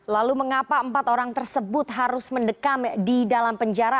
lalu mengapa empat orang tersebut harus mendekam di dalam penjara